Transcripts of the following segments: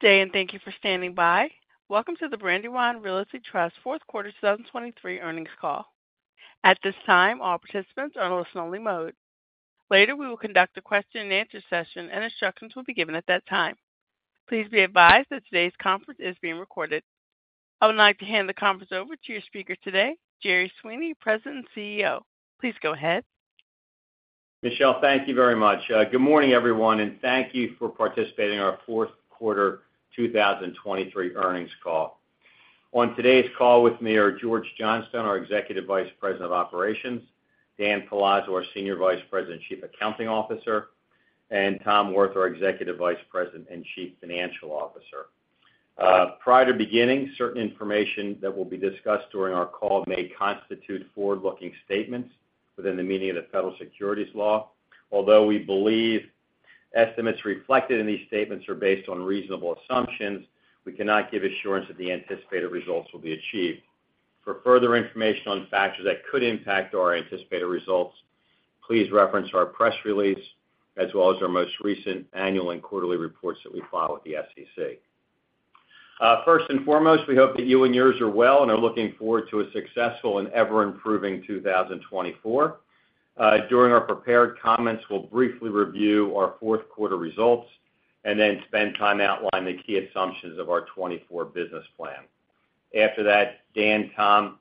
Good day, and thank you for standing by. Welcome to the Brandywine Realty Trust fourth quarter 2023 earnings call. At this time, all participants are in listen-only mode. Later, we will conduct a question-and-answer session, and instructions will be given at that time. Please be advised that today's conference is being recorded. I would like to hand the conference over to your speaker today, Jerry Sweeney, President and CEO. Please go ahead. Michelle, thank you very much. Good morning, everyone, and thank you for participating in our fourth quarter 2023 earnings call. On today's call with me are George Johnstone, our Executive Vice President of Operations, Dan Palazzo, our Senior Vice President and Chief Accounting Officer, and Tom Wirth, our Executive Vice President and Chief Financial Officer. Prior to beginning, certain information that will be discussed during our call may constitute forward-looking statements within the meaning of the Federal securities law. Although we believe estimates reflected in these statements are based on reasonable assumptions, we cannot give assurance that the anticipated results will be achieved. For further information on factors that could impact our anticipated results, please reference our press release, as well as our most recent annual and quarterly reports that we file with the SEC. First and foremost, we hope that you and yours are well and are looking forward to a successful and ever-improving 2024. During our prepared comments, we'll briefly review our fourth quarter results and then spend time outlining the key assumptions of our 2024 business plan. After that, Dan, Tom,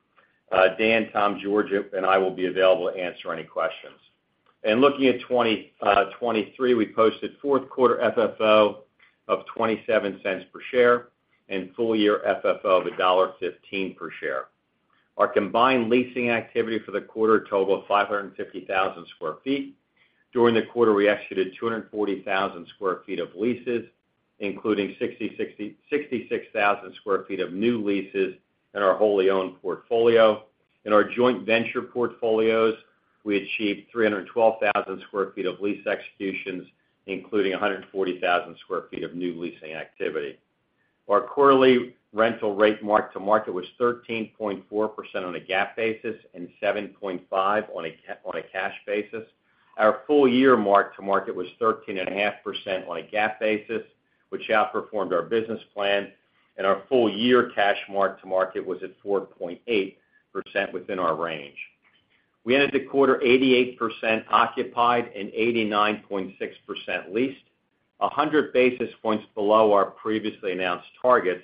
George, and I will be available to answer any questions. Looking at 2023, we posted fourth quarter FFO of $0.27 per share and full-year FFO of $1.15 per share. Our combined leasing activity for the quarter totaled 550,000 sq ft. During the quarter, we executed 240,000 sq ft of leases, including 66,000 sq ft of new leases in our wholly owned portfolio. In our joint venture portfolios, we achieved 312,000 sq ft of lease executions, including 140,000 sq ft of new leasing activity. Our quarterly rental rate mark to market was 13.4% on a GAAP basis and 7.5% on a cash basis. Our full year mark to market was 13.5% on a GAAP basis, which outperformed our business plan, and our full year cash mark to market was at 4.8% within our range. We ended the quarter 88% occupied and 89.6% leased, 100 basis points below our previously announced targets.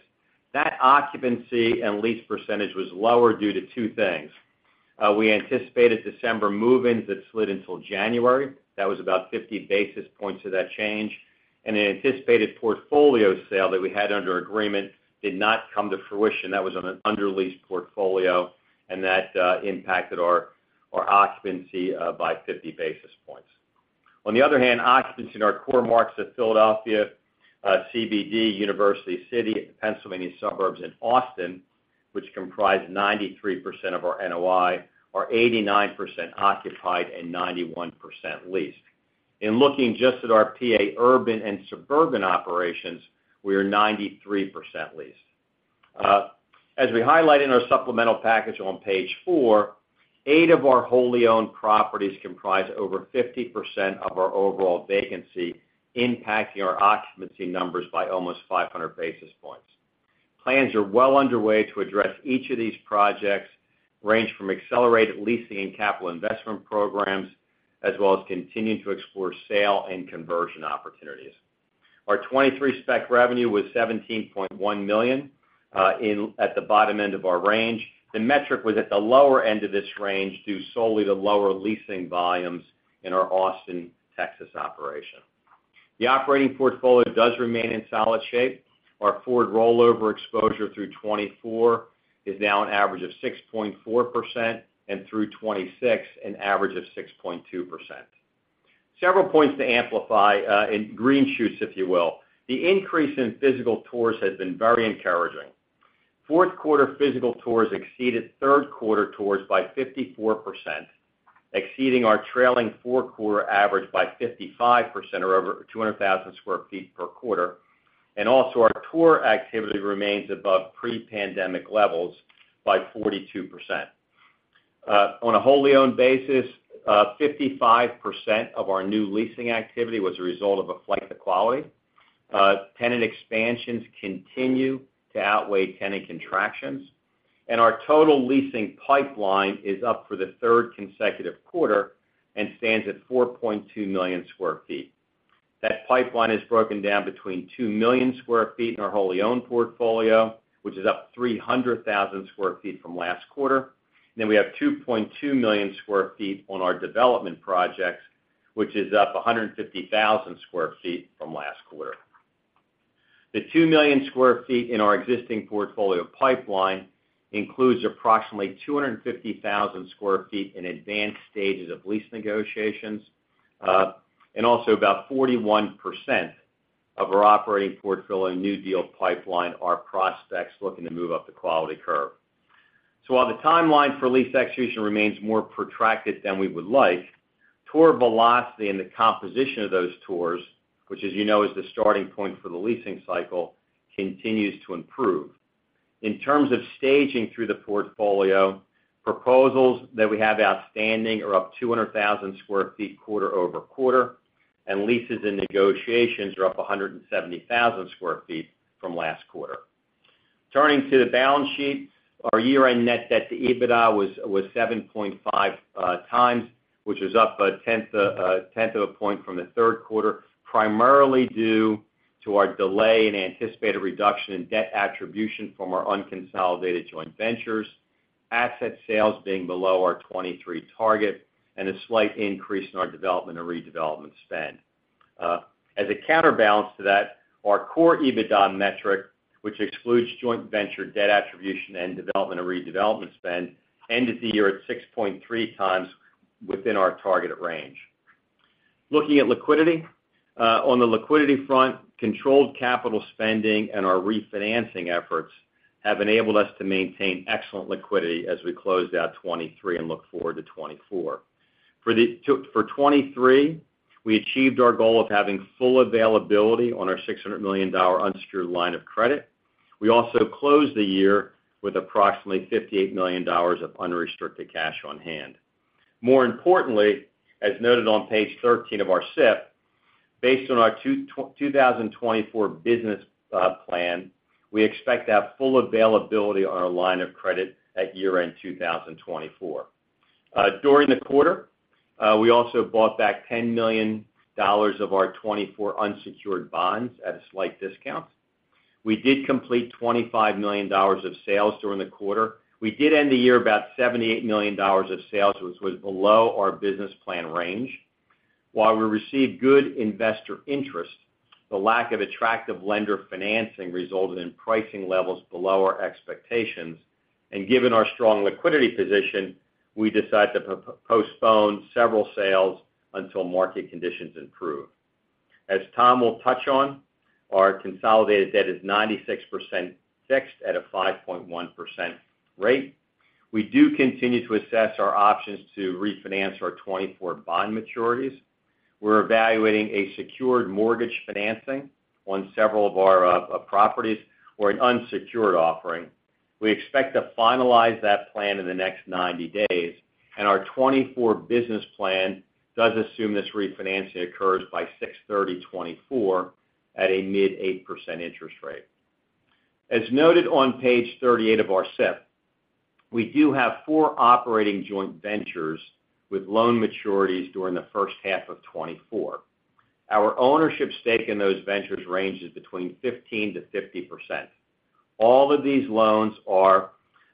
That occupancy and lease percentage was lower due to two things. We anticipated December move-ins that slid until January. That was about 50 basis points of that change, and an anticipated portfolio sale that we had under agreement did not come to fruition. That was on an underleased portfolio, and that, impacted our occupancy, by 50 basis points. On the other hand, occupancy in our core markets of Philadelphia CBD, University City, Pennsylvania suburbs and Austin, which comprise 93% of four NOI, are 89% occupied and 91% leased. In looking just at our PA urban and suburban operations, we are 93% leased. As we highlight in our supplemental package on page four, eight of our wholly owned properties comprise over 50% of our overall vacancy, impacting our occupancy numbers by almost 500 basis points. Plans are well underway to address each of these projects, range from accelerated leasing and capital investment programs, as well as continuing to explore sale and conversion opportunities. Our 2023 spec revenue was $17.1 million in at the bottom end of our range. The metric was at the lower end of this range, due solely to lower leasing volumes in our Austin, Texas operation. The operating portfolio does remain in solid shape. Our forward rollover exposure through 2024 is now an average of 6.4%, and through 2026, an average of 6.2%. Several points to amplify in green shoots, if you will. The increase in physical tours has been very encouraging. Fourth quarter physical tours exceeded third quarter tours by 54%, exceeding our trailing four-quarter average by 55%, or over 200,000 sq ft per quarter. Also, our tour activity remains above pre-pandemic levels by 42%. On a wholly owned basis, 55% of our new leasing activity was a result of a flight to quality. Tenant expansions continue to outweigh tenant contractions, and our total leasing pipeline is up for the third consecutive quarter and stands at 4.2 million sq ft. That pipeline is broken down between 2 million sq ft in our wholly owned portfolio, which is up 300,000 sq ft from last quarter. We have 2.2 million sq ft on our development projects, which is up 150,000 sq ft from last quarter. The 2 million sq ft in our existing portfolio pipeline includes approximately 250,000 sq ft in advanced stages of lease negotiations, and also about 41% of our operating portfolio new deal pipeline are prospects looking to move up the quality curve. So while the timeline for lease execution remains more protracted than we would like, tour velocity and the composition of those tours, which, as you know, is the starting point for the leasing cycle, continues to improve. In terms of staging through the portfolio, proposals that we have outstanding are up 200,000 sq ft quarter-over-quarter, and leases and negotiations are up 170,000 sq ft from last quarter. Turning to the balance sheet, our year-end net debt to EBITDA was 7.5x, which is up 0.1 of a point from the third quarter, primarily due to our delay in anticipated reduction in debt attribution from our unconsolidated joint ventures, asset sales being below our 2023 target, and a slight increase in our development and redevelopment spend. As a counterbalance to that, our core EBITDA metric, which excludes joint venture debt attribution and development and redevelopment spend, ended the year at 6.3x within our targeted range. Looking at liquidity, on the liquidity front, controlled capital spending and our refinancing efforts have enabled us to maintain excellent liquidity as we close out 2023 and look forward to 2024. For 2023, we achieved our goal of having full availability on our $600 million unsecured line of credit. We also closed the year with approximately $58 million of unrestricted cash on hand. More importantly, as noted on page 13 of our SIP, based on our 2024 business plan, we expect to have full availability on our line of credit at year-end 2024. During the quarter, we also bought back $10 million of our 2024 unsecured bonds at a slight discount. We did complete $25 million of sales during the quarter. We did end the year about $78 million of sales, which was below our business plan range. While we received good investor interest, the lack of attractive lender financing resulted in pricing levels below our expectations, and given our strong liquidity position, we decided to postpone several sales until market conditions improve. As Tom will touch on, our consolidated debt is 96% fixed at a 5.1% rate. We do continue to assess our options to refinance our 2024 bond maturities. We're evaluating a secured mortgage financing on several of our properties or an unsecured offering. We expect to finalize that plan in the next 90 days, and our 2024 business plan does assume this refinancing occurs by June 30, 2024 at a mid-8% interest rate. As noted on page 38 of our SIP, we do have four operating joint ventures with loan maturities during the first half of 2024. Our ownership stake in those ventures ranges between 15%-50%. All of these loans are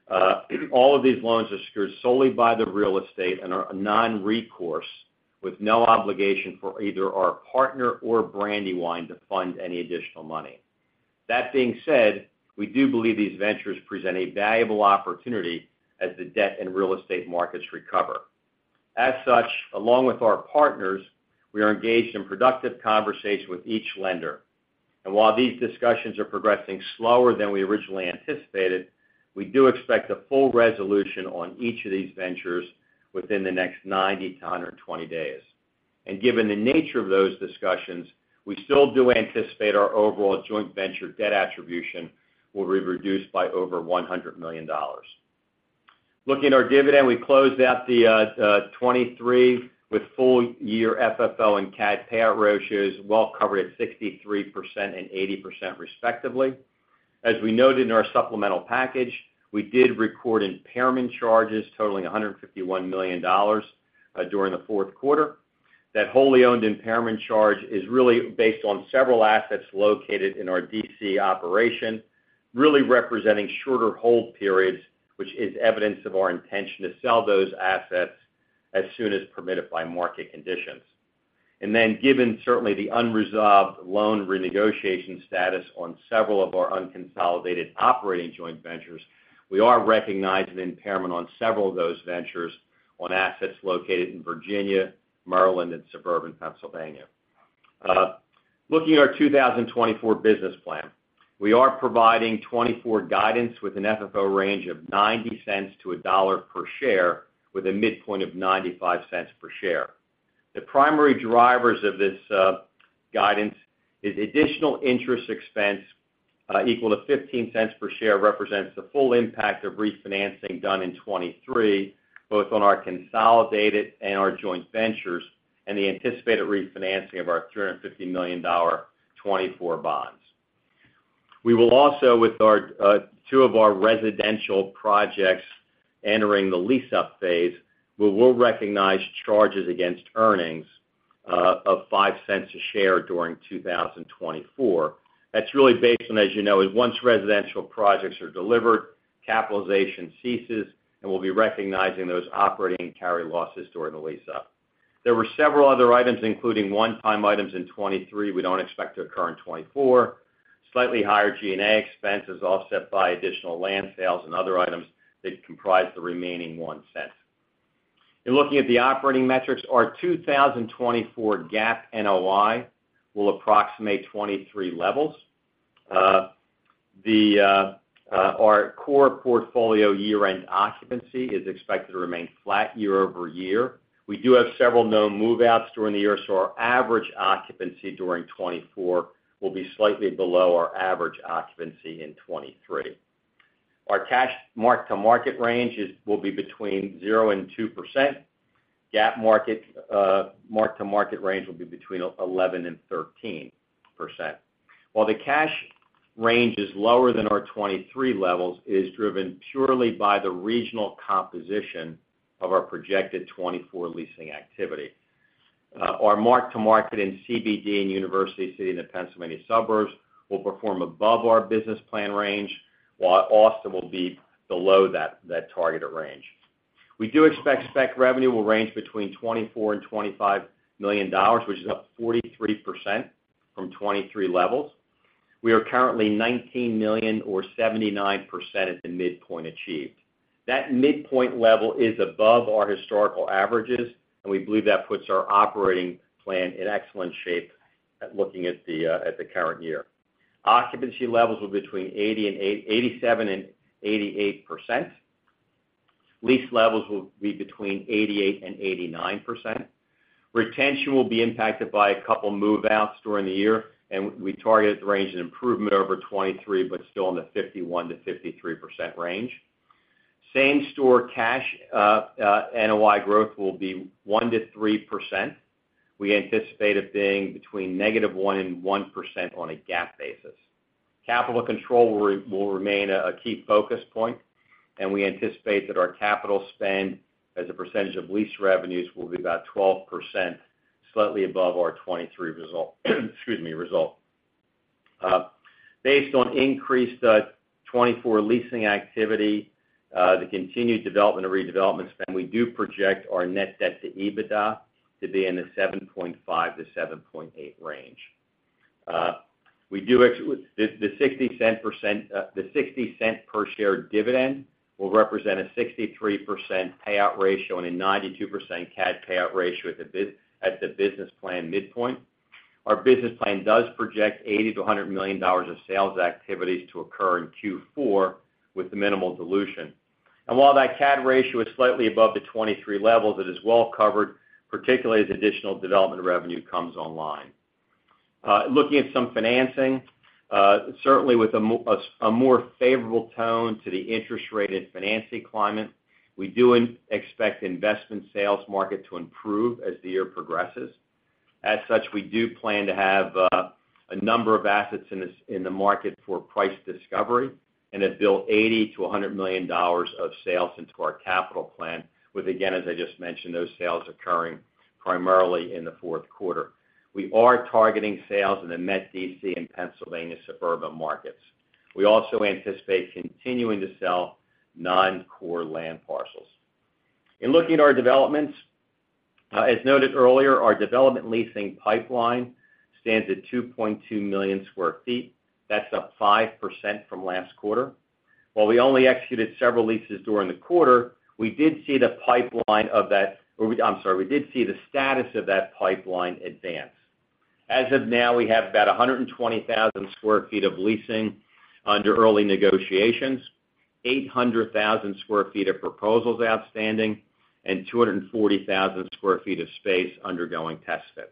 secured solely by the real estate and are non-recourse, with no obligation for either our partner or Brandywine to fund any additional money. That being said, we do believe these ventures present a valuable opportunity as the debt and real estate markets recover. As such, along with our partners, we are engaged in productive conversations with each lender. And while these discussions are progressing slower than we originally anticipated, we do expect a full resolution on each of these ventures within the next 90-120 days. Given the nature of those discussions, we still do anticipate our overall joint venture debt attribution will be reduced by over $100 million. Looking at our dividend, we closed out the 2023 with full year FFO and CAD payout ratios, well covered at 63% and 80% respectively. As we noted in our supplemental package, we did record impairment charges totaling $151 million during the fourth quarter. That wholly owned impairment charge is really based on several assets located in our D.C. operation, really representing shorter hold periods, which is evidence of our intention to sell those assets as soon as permitted by market conditions. Then, given certainly the unresolved loan renegotiation status on several of our unconsolidated operating joint ventures, we are recognizing impairment on several of those ventures on assets located in Virginia, Maryland, and suburban Pennsylvania. Looking at our 2024 business plan, we are providing 2024 guidance with an FFO range of $0.90-$1.00 per share, with a midpoint of $0.95 per share. The primary drivers of this guidance is additional interest expense equal to $0.15 per share, represents the full impact of refinancing done in 2023, both on our consolidated and our joint ventures, and the anticipated refinancing of our $350 million 2024 bonds. We will also, with our two of our residential projects entering the lease-up phase, we will recognize charges against earnings of $0.05 a share during 2024. That's really based on, as you know, is once residential projects are delivered, capitalization ceases, and we'll be recognizing those operating carry losses during the lease-up. There were several other items, including one-time items in 2023 we don't expect to occur in 2024. Slightly higher G&A expense is offset by additional land sales and other items that comprise the remaining $0.01. In looking at the operating metrics, our 2024 GAAP NOI will approximate 2023 levels. Our core portfolio year-end occupancy is expected to remain flat year-over-year. We do have several known move-outs during the year, so our average occupancy during 2024 will be slightly below our average occupancy in 2023. Our cash mark-to-market range will be between 0% and 2%. GAAP mark-to-market range will be between 11% and 13%. While the cash range is lower than our 2023 levels, it is driven purely by the regional composition of our projected 2024 leasing activity. Our mark-to-market in CBD and University City in the Pennsylvania suburbs will perform above our business plan range, while Austin will be below that, that targeted range. We do expect spec revenue will range between $24 million and $25 million, which is up 43% from 2023 levels. We are currently $19 million or 79% of the midpoint achieved. That midpoint level is above our historical averages, and we believe that puts our operating plan in excellent shape at looking at the current year. Occupancy levels were between 87% and 88%. Lease levels will be between 88% and 89%. Retention will be impacted by a couple move-outs during the year, and we target a range of improvement over 2023, but still in the 51%-53% range. Same-store cash NOI growth will be 1%-3%. We anticipate it being between -1% and 1% on a GAAP basis. Capital control will remain a key focus point, and we anticipate that our capital spend as a percentage of lease revenues will be about 12%, slightly above our 2023 result. Based on increased 2024 leasing activity, the continued development and redevelopment spend, we do project our net debt to EBITDA to be in the 7.5-7.8 range. We expect the $0.60 per share dividend will represent a 63% payout ratio and a 92% CAD payout ratio at the business plan midpoint. Our business plan does project $80 million-$100 million of sales activities to occur in Q4 with the minimal dilution. And while that CAD ratio is slightly above the 2023 levels, it is well covered, particularly as additional development revenue comes online. Looking at some financing, certainly with a more favorable tone to the interest rate and financing climate, we do expect investment sales market to improve as the year progresses. As such, we do plan to have a number of assets in the market for price discovery and have built $80 million-$100 million of sales into our capital plan, with again, as I just mentioned, those sales occurring primarily in the fourth quarter. We are targeting sales in the Met D.C. and Pennsylvania suburban markets. We also anticipate continuing to sell non-core land parcels. In looking at our developments, as noted earlier, our development leasing pipeline stands at 2.2 million sq ft. That's up 5% from last quarter. While we only executed several leases during the quarter, we did see the status of that pipeline advance. As of now, we have about 120,000 sq ft of leasing under early negotiations, 800,000 sq ft of proposals outstanding, and 240,000 sq ft of space undergoing test fits.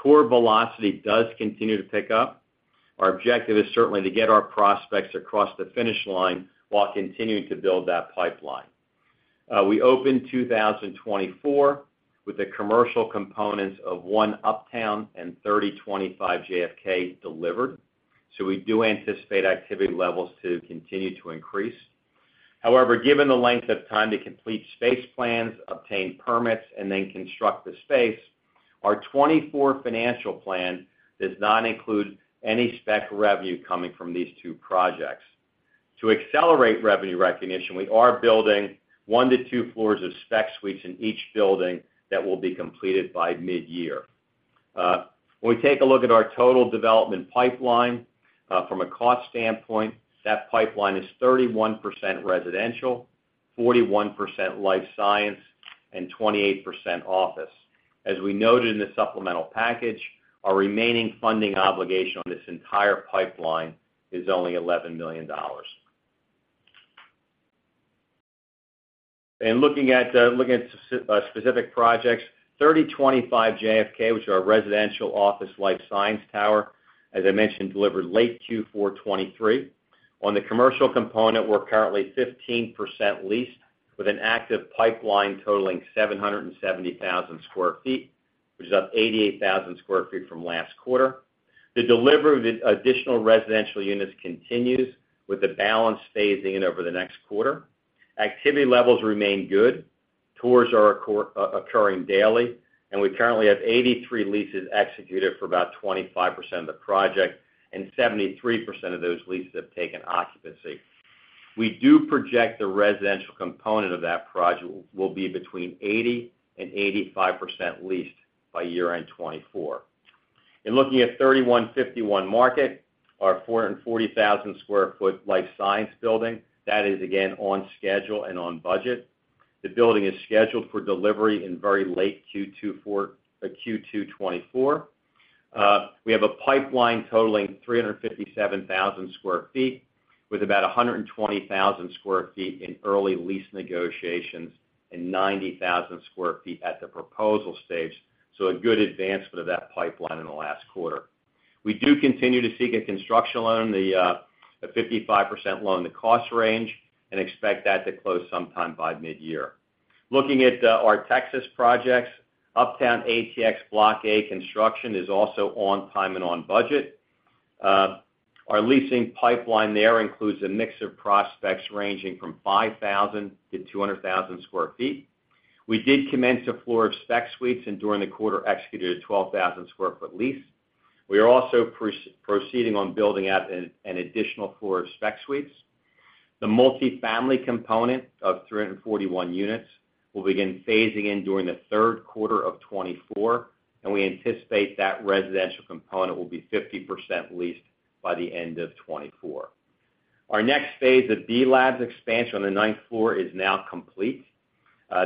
Tour velocity does continue to pick up. Our objective is certainly to get our prospects across the finish line while continuing to build that pipeline. We opened 2024 with the commercial components of One Uptown and 3025 JFK delivered, so we do anticipate activity levels to continue to increase. However, given the length of time to complete space plans, obtain permits, and then construct the space, our 2024 financial plan does not include any spec revenue coming from these two projects. To accelerate revenue recognition, we are building 1-2 floors of spec suites in each building that will be completed by mid-year. When we take a look at our total development pipeline, from a cost standpoint, that pipeline is 31% residential, 41% life science, and 28% office. As we noted in the supplemental package, our remaining funding obligation on this entire pipeline is only $11 million. Looking at specific projects, 3025 JFK, which is our residential office life science tower, as I mentioned, delivered late Q4 2023. On the commercial component, we're currently 15% leased, with an active pipeline totaling 770,000 sq ft, which is up 88,000 sq ft from last quarter. The delivery of the additional residential units continues, with the balance phasing in over the next quarter. Activity levels remain good. Tours are occurring daily, and we currently have 83 leases executed for about 25% of the project, and 73% of those leases have taken occupancy. We do project the residential component of that project will be between 80%-85% leased by year-end 2024. In looking at 3151 Market, our 440,000 sq ft life science building, that is again on schedule and on budget. The building is scheduled for delivery in very late Q2 2024. We have a pipeline totaling 357,000 sq ft, with about 120,000 sq ft in early lease negotiations and 90,000 sq ft at the proposal stage, so a good advancement of that pipeline in the last quarter. We do continue to seek a construction loan, the 55% loan, the cost range, and expect that to close sometime by mid-year. Looking at our Texas projects, Uptown ATX Block A construction is also on time and on budget. Our leasing pipeline there includes a mix of prospects ranging from 5,000 sq ft-200,000 sq ft. We did commence a floor of spec suites, and during the quarter, executed a 12,000 sq ft lease. We are also proceeding on building out an additional floor of spec suites. The multifamily component of 341 units will begin phasing in during the third quarter of 2024, and we anticipate that residential component will be 50% leased by the end of 2024. Our next phase of B.Labs expansion on the ninth floor is now complete.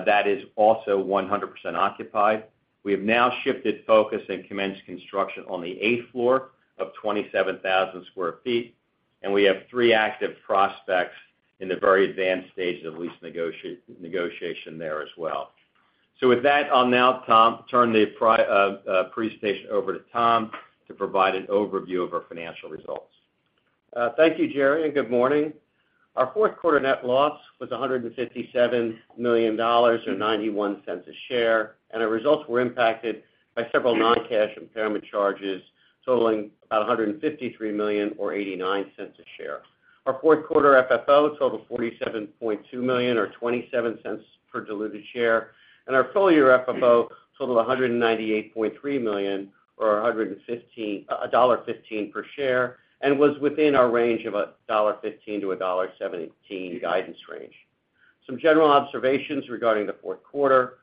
That is also 100% occupied. We have now shifted focus and commenced construction on the eighth floor of 27,000 sq ft, and we have three active prospects in the very advanced stages of lease negotiation there as well. So with that, I'll now, Tom, turn the presentation over to Tom to provide an overview of our financial results. Thank you, Jerry, and good morning. Our fourth quarter net loss was $157 million or $0.91 per share, and our results were impacted by several non-cash impairment charges, totaling about $153 million or $0.89 per share. Our fourth quarter FFO totaled $47.2 million or $0.27 per diluted share, and our full year FFO totaled $198.3 million or $1.15 per share, and was within our range of $1.15-$1.17 guidance range. Some general observations regarding the fourth quarter.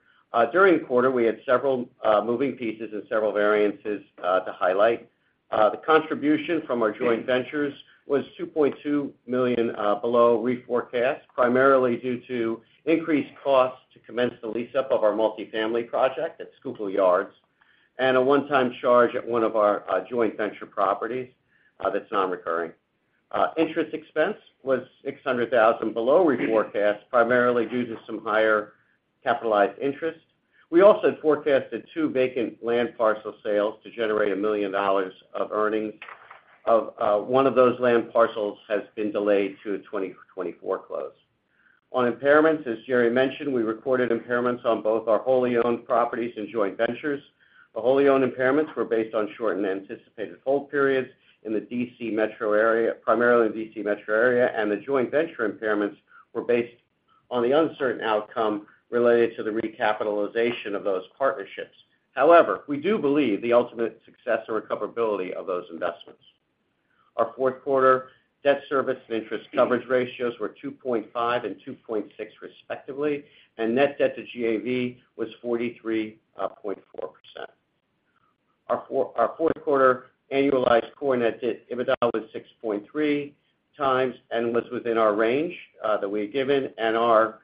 During the quarter, we had several moving pieces and several variances to highlight. The contribution from our joint ventures was $2.2 million below reforecast, primarily due to increased costs to commence the lease up of our multifamily project at Schuylkill Yards, and a one-time charge at one of our joint venture properties that's non-recurring. Interest expense was $600,000 below reforecast, primarily due to some higher capitalized interest. We also forecasted two vacant land parcel sales to generate $1 million of earnings. One of those land parcels has been delayed to a 2024 close. On impairments, as Jerry mentioned, we recorded impairments on both our wholly owned properties and joint ventures. The wholly owned impairments were based on short and anticipated hold periods in the D.C. metro area, primarily in the D.C. metro area, and the joint venture impairments were based on the uncertain outcome related to the recapitalization of those partnerships. However, we do believe the ultimate success or recoverability of those investments. Our fourth quarter debt service and interest coverage ratios were 2.5 and 2.6 respectively, and net debt to GAV was 43.4%. Our fourth quarter annualized core net debt EBITDA was 6.3x and was within our range that we had given, and our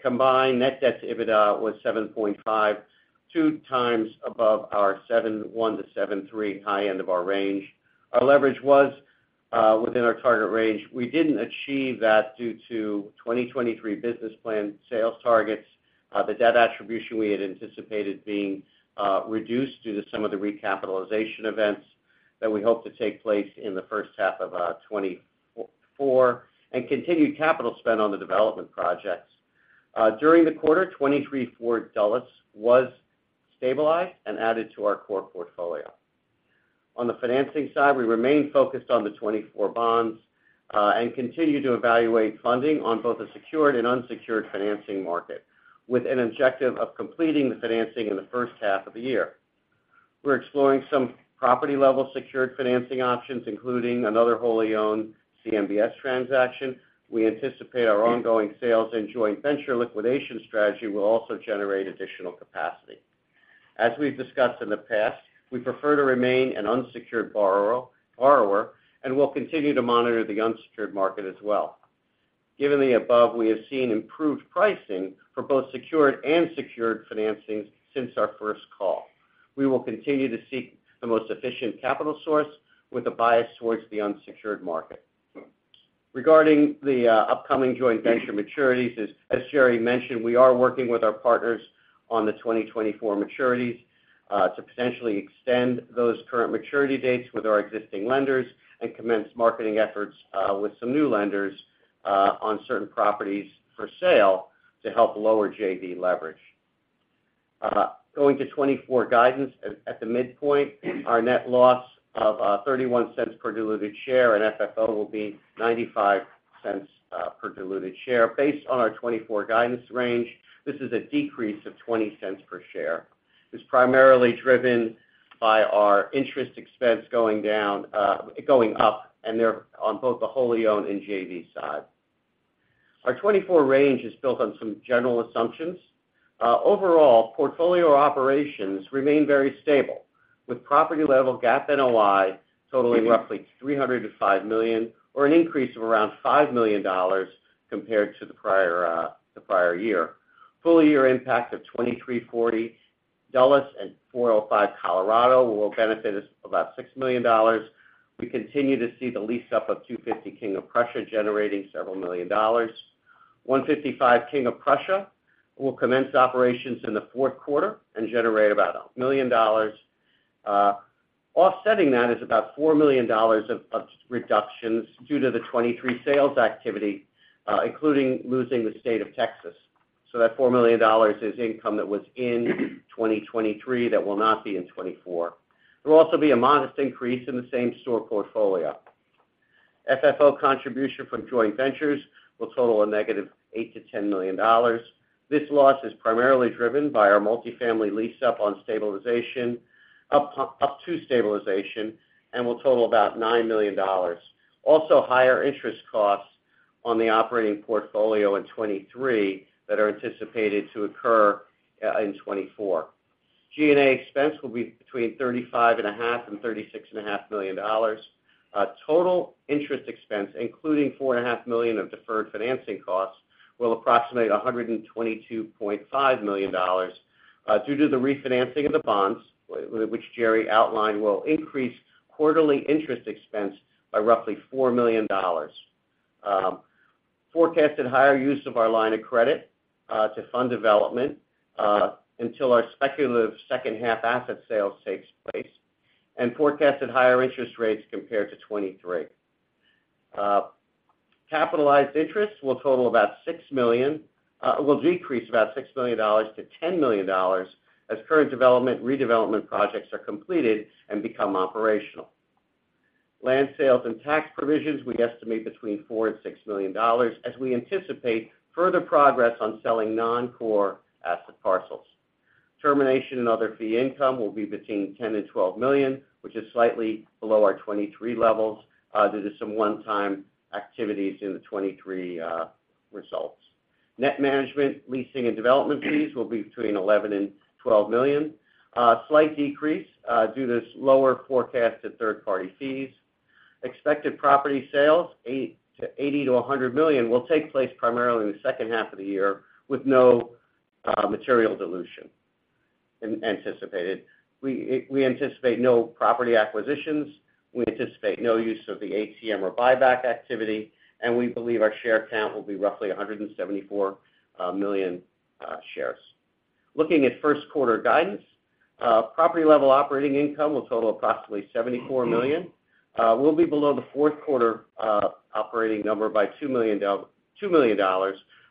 combined net debt to EBITDA was 7.52x above our 7.1-7.3 high end of our range. Our leverage was within our target range. We didn't achieve that due to 2023 business plan sales targets, the debt attribution we had anticipated being reduced due to some of the recapitalization events that we hope to take place in the first half of 2024, and continued capital spend on the development projects. During the quarter, 2340 Dulles was stabilized and added to our core portfolio. On the financing side, we remain focused on the 2024 bonds and continue to evaluate funding on both the secured and unsecured financing market, with an objective of completing the financing in the first half of the year. We're exploring some property-level secured financing options, including another wholly owned CMBS transaction. We anticipate our ongoing sales and joint venture liquidation strategy will also generate additional capacity. As we've discussed in the past, we prefer to remain an unsecured borrower, and we'll continue to monitor the unsecured market as well. Given the above, we have seen improved pricing for both secured and financings since our first call. We will continue to seek the most efficient capital source with a bias towards the unsecured market. Regarding the upcoming joint venture maturities, as Jerry mentioned, we are working with our partners on the 2024 maturities, to potentially extend those current maturity dates with our existing lenders and commence marketing efforts, with some new lenders, on certain properties for sale to help lower JV leverage. Going to 2024 guidance at the midpoint, our net loss of $0.31 per diluted share and FFO will be $0.95 per diluted share. Based on our 2024 guidance range, this is a decrease of $0.20 per share. It's primarily driven by our interest expense going down, going up, and they're on both the wholly owned and JV side. Our 2024 range is built on some general assumptions. Overall, portfolio operations remain very stable, with property level GAAP NOI totaling roughly $305 million, or an increase of around $5 million compared to the prior year. Full year impact of 2340 Dulles and 405 Colorado will benefit us about $6 million. We continue to see the lease up of 250 King of Prussia generating several million dollars, 155 King of Prussia will commence operations in the fourth quarter and generate about $1 million. Offsetting that is about $4 million of reductions due to the 2023 sales activity, including losing the state of Texas. So that $4 million is income that was in 2023, that will not be in 2024. There will also be a modest increase in the same-store portfolio. FFO contribution from joint ventures will total a -$8 million-$10 million. This loss is primarily driven by our multifamily lease up on stabilization, and will total about $9 million. Also, higher interest costs on the operating portfolio in 2023 that are anticipated to occur in 2024. G&A expense will be between $35.5 million-$36.5 million. Total interest expense, including $4.5 million of deferred financing costs, will approximate $122.5 million, due to the refinancing of the bonds, which Jerry outlined, will increase quarterly interest expense by roughly $4 million. Forecasted higher use of our line of credit, to fund development, until our speculative second-half asset sales takes place, and forecasted higher interest rates compared to 2023. Capitalized interest will decrease about $6 million-$10 million, as current development, redevelopment projects are completed and become operational. Land sales and tax provisions, we estimate between $4 million and $6 million, as we anticipate further progress on selling non-core asset parcels. Termination and other fee income will be between $10 million and $12 million, which is slightly below our 2023 levels, due to some one-time activities in the 2023 results. Net management, leasing, and development fees will be between $11 million and $12 million. Slight decrease due to lower forecasted third-party fees. Expected property sales $80 million-$100 million will take place primarily in the second half of the year, with no material dilution anticipated. We anticipate no property acquisitions. We anticipate no use of the ATM or buyback activity, and we believe our share count will be roughly 174 million shares. Looking at first quarter guidance, property-level operating income will total approximately $74 million, will be below the fourth quarter operating number by $2 million,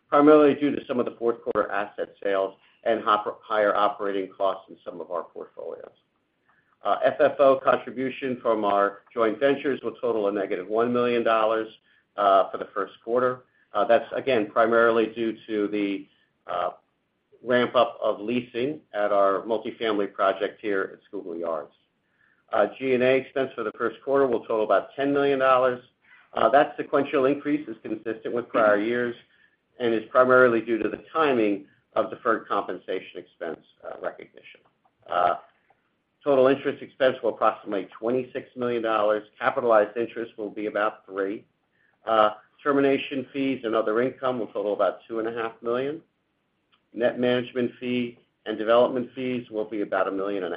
primarily due to some of the fourth quarter asset sales and higher operating costs in some of our portfolios. FFO contribution from our joint ventures will total -$1 million for the first quarter. That's again, primarily due to the ramp-up of leasing at our multifamily project here at Schuylkill Yards. G&A expense for the first quarter will total about $10 million. That sequential increase is consistent with prior years and is primarily due to the timing of deferred compensation expense recognition. Total interest expense will approximately $26 million. Capitalized interest will be about 3%. Termination fees and other income will total about $2.5 million. Net management fee and development fees will be about $1.5 million,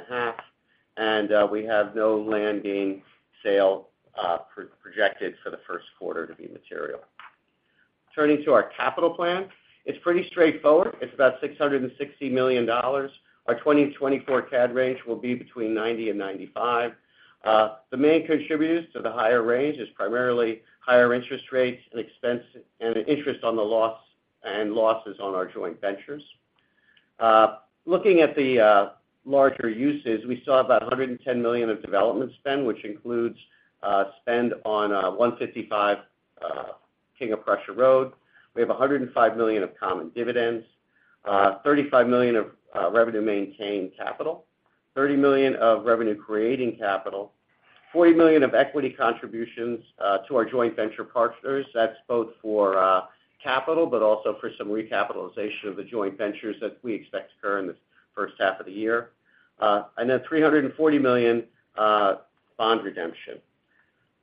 and we have no land gain sale projected for the first quarter to be material. Turning to our capital plan, it's pretty straightforward. It's about $660 million. Our 2024 CAD range will be between 90%-95%. The main contributors to the higher range is primarily higher interest rates and expense, and interest on the loss, and losses on our joint ventures. Looking at the larger uses, we saw about $110 million of development spend, which includes spend on 155 King of Prussia Road. We have $105 million of common dividends, $35 million of revenue-maintaining capital, $30 million of revenue-creating capital, $40 million of equity contributions to our joint venture partners. That's both for capital, but also for some recapitalization of the joint ventures that we expect to occur in the first half of the year. And then $340 million bond redemption.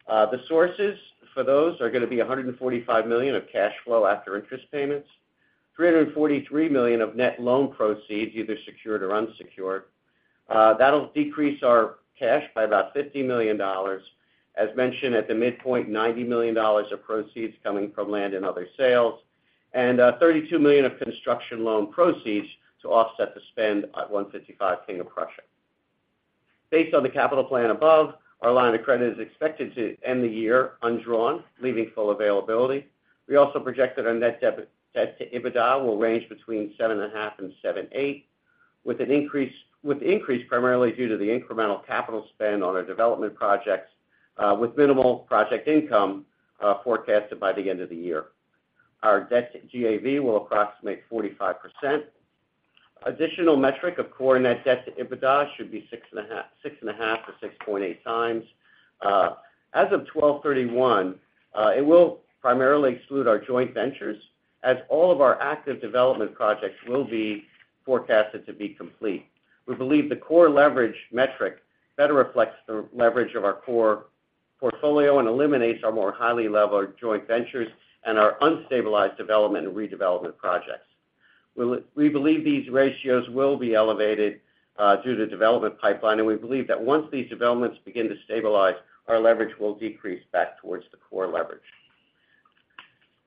The sources for those are gonna be $145 million of cash flow after interest payments, $343 million of net loan proceeds, either secured or unsecured. That'll decrease our cash by about $50 million. As mentioned, at the midpoint, $90 million of proceeds coming from land and other sales, and $32 million of construction loan proceeds to offset the spend at 155 King of Prussia. Based on the capital plan above, our line of credit is expected to end the year undrawn, leaving full availability. We also project that our net debt-to-EBITDA will range between 7.5x and 7.8x, with the increase primarily due to the incremental capital spend on our development projects, with minimal project income forecasted by the end of the year. Our debt to GAV will approximate 45%. An additional metric of core net debt to EBITDA should be 6.5x-6.8x. As of 12/31, it will primarily exclude our joint ventures, as all of our active development projects will be forecasted to be complete. We believe the core leverage metric better reflects the leverage of our core portfolio and eliminates our more highly levered joint ventures and our unstabilized development and redevelopment projects. We believe these ratios will be elevated through the development pipeline, and we believe that once these developments begin to stabilize, our leverage will decrease back towards the core leverage.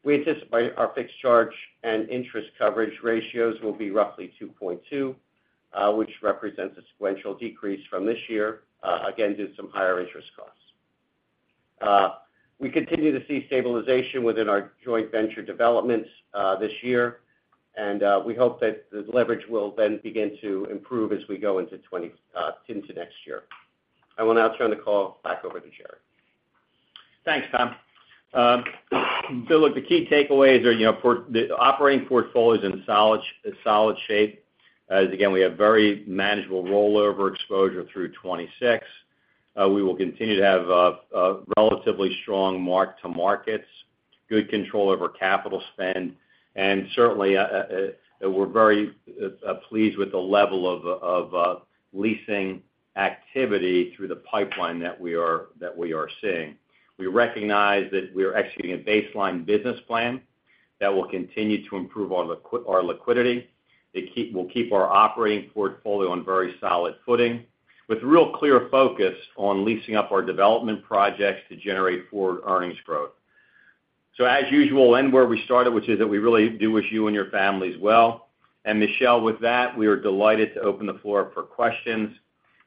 We anticipate our fixed charge and interest coverage ratios will be roughly 2.2x, which represents a sequential decrease from this year, again, due to some higher interest costs. We continue to see stabilization within our joint venture developments this year, and we hope that the leverage will then begin to improve as we go into next year. I will now turn the call back over to Jerry. Thanks, Tom. So look, the key takeaways are, you know, the operating portfolio is in solid shape. As again, we have very manageable rollover exposure through 2026. We will continue to have a relatively strong mark-to-markets, good control over capital spend, and certainly, we're very pleased with the level of leasing activity through the pipeline that we are, that we are seeing. We recognize that we are executing a baseline business plan that will continue to improve our liquidity. It will keep our operating portfolio on very solid footing, with real clear focus on leasing up our development projects to generate forward earnings growth. So as usual, end where we started, which is that we really do wish you and your families well. Michelle, with that, we are delighted to open the floor up for questions.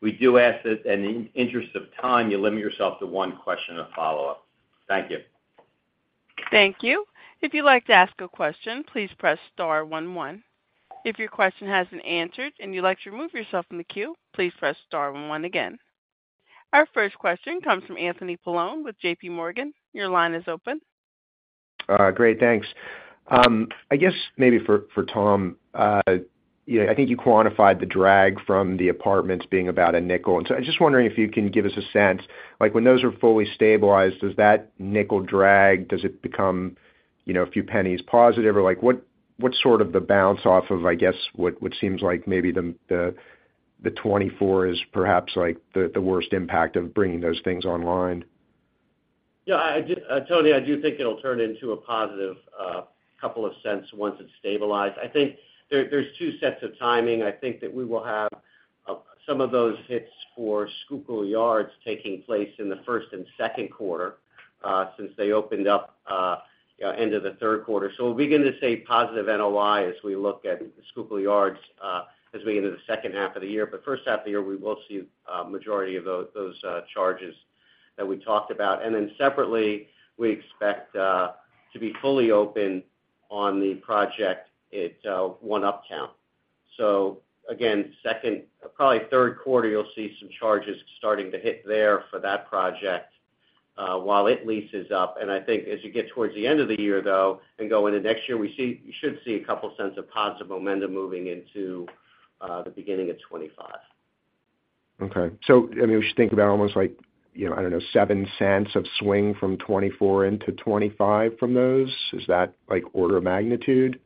We do ask that in the interest of time, you limit yourself to one question and a follow-up. Thank you. Thank you. If you'd like to ask a question, please press star one, one. If your question hasn't answered and you'd like to remove yourself from the queue, please press star one one again. Our first question comes from Anthony Paolone with J.P. Morgan. Your line is open. Great, thanks. I guess maybe for Tom, you know, I think you quantified the drag from the apartments being about $0.05. And so I'm just wondering if you can give us a sense, like, when those are fully stabilized, does that $0.05 drag, does it become, you know, a few cents positive? Or like, what, what's sort of the bounce off of, I guess, what seems like maybe the 2024 is perhaps, like the worst impact of bringing those things online? Yeah, Tony, I do think it'll turn into a positive couple of cents once it's stabilized. I think there, there's two sets of timing. I think that we will have some of those hits for Schuylkill Yards taking place in the first and second quarter, since they opened up, you know, end of the third quarter. So we'll begin to see positive NOI as we look at Schuylkill Yards, as we enter the second half of the year. But first half of the year, we will see majority of those charges that we talked about. And then separately, we expect to be fully open on the project at One Uptown. So again, second, probably third quarter, you'll see some charges starting to hit there for that project, while it leases up. I think as you get towards the end of the year, though, and go into next year, you should see a couple cents of positive momentum moving into the beginning of 2025. Okay. So, I mean, we should think about almost like, you know, I don't know, $0.07 of swing from 2024 into 2025 from those? Is that, like, order of magnitude?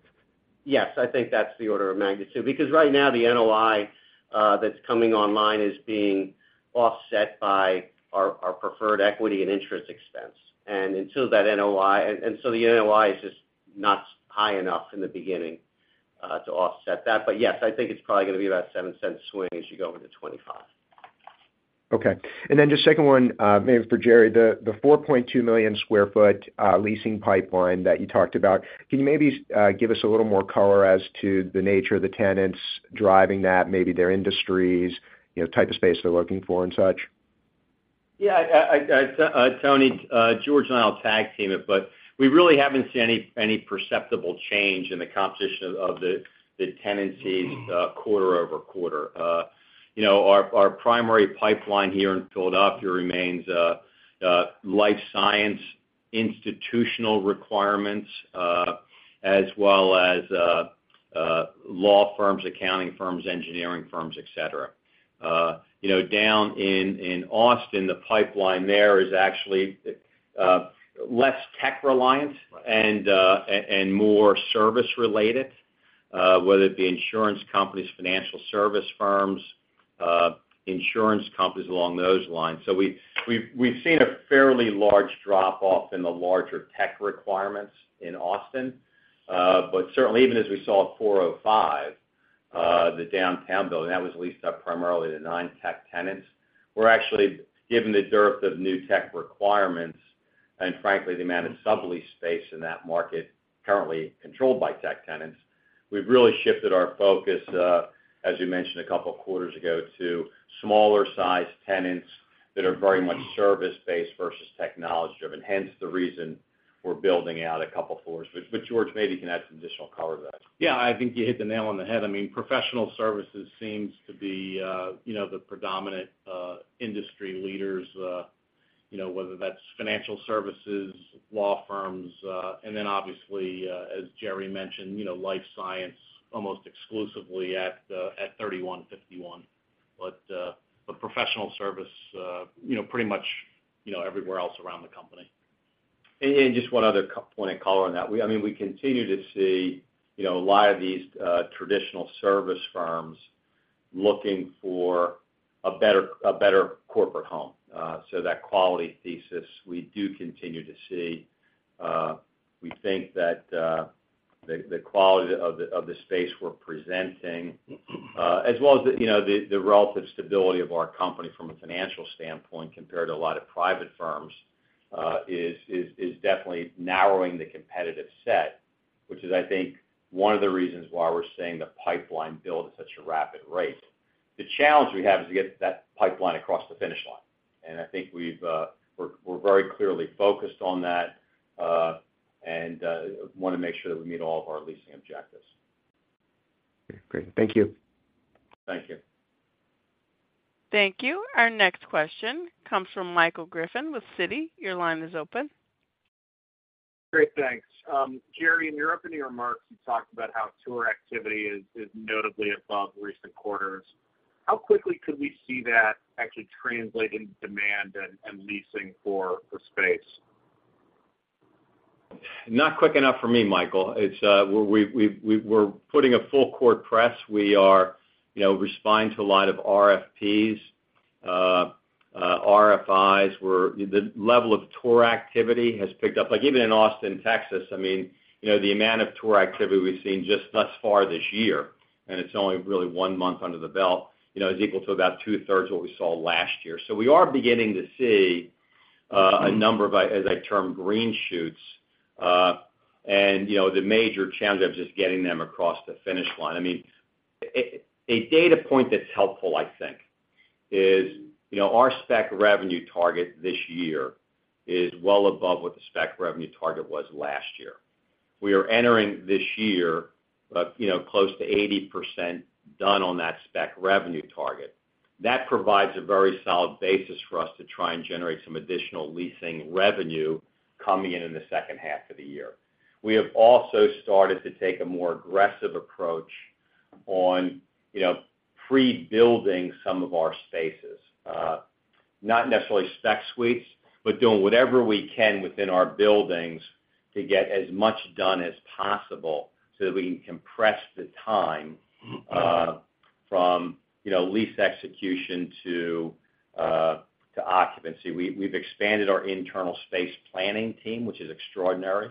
Yes, I think that's the order of magnitude, because right now, the NOI that's coming online is being offset by our, our preferred equity and interest expense. And until that NOI and so the NOI is just not high enough in the beginning to offset that. But yes, I think it's probably going to be about $0.07 swing as you go into 2025. Okay. And then just second one, maybe for Jerry. The 4.2 million sq ft leasing pipeline that you talked about, can you maybe give us a little more color as to the nature of the tenants driving that, maybe their industries, you know, type of space they're looking for and such? Yeah, Tony, George and I will tag team it, but we really haven't seen any perceptible change in the composition of the tenancies quarter-over-quarter. You know, our primary pipeline here in Philadelphia remains life science, institutional requirements, as well as law firms, accounting firms, engineering firms, etc. You know, down in Austin, the pipeline there is actually less tech-reliant and more service-related, whether it be insurance companies, financial service firms, insurance companies along those lines. So we've seen a fairly large drop-off in the larger tech requirements in Austin. But certainly, even as we saw at 405, the downtown building, that was leased up primarily to non-tech tenants. We're actually, given the dearth of new tech requirements and frankly, the amount of sublease space in that market currently controlled by tech tenants, we've really shifted our focus, as you mentioned a couple of quarters ago, to smaller-sized tenants that are very much service-based versus technology-driven, hence the reason we're building out a couple floors. But George, maybe you can add some additional color to that. Yeah, I think you hit the nail on the head. I mean, professional services seems to be, you know, the predominant, industry leaders, you know, whether that's financial services, law firms, and then obviously, as Jerry mentioned, you know, life science almost exclusively at 3151. But professional service, you know, pretty much, you know, everywhere else around the company. And just one other point of color on that. I mean, we continue to see, you know, a lot of these traditional service firms looking for a better corporate home. So that quality thesis, we do continue to see. We think that the quality of the space we're presenting, as well as the, you know, the relative stability of our company from a financial standpoint compared to a lot of private firms, is definitely narrowing the competitive set, which is, I think, one of the reasons why we're seeing the pipeline build at such a rapid rate. The challenge we have is to get that pipeline across the finish line, and I think we're very clearly focused on that, and wanna make sure that we meet all of our leasing objectives. Okay, great. Thank you. Thank you. Thank you. Our next question comes from Michael Griffin with Citi. Your line is open. Great, thanks. Jerry, in your opening remarks, you talked about how tour activity is notably above recent quarters. How quickly could we see that actually translate into demand and leasing for space? Not quick enough for me, Michael. It's, we're putting a full court press. We are, you know, responding to a lot of RFPs, RFIs. The level of tour activity has picked up. Like, even in Austin, Texas, I mean, you know, the amount of tour activity we've seen just thus far this year, and it's only really one month under the belt, you know, is equal to about 2/3 what we saw last year. So we are beginning to see a number of, as I term, green shoots. And, you know, the major challenge of just getting them across the finish line. I mean, a data point that's helpful, I think, is, you know, our spec revenue target this year is well above what the spec revenue target was last year. We are entering this year, you know, close to 80% done on that spec revenue target. That provides a very solid basis for us to try and generate some additional leasing revenue coming in, in the second half of the year. We have also started to take a more aggressive approach on, you know, pre-building some of our spaces. Not necessarily spec suites, but doing whatever we can within our buildings to get as much done as possible so that we can compress the time, from, you know, lease execution to occupancy. We've expanded our internal space planning team, which is extraordinary.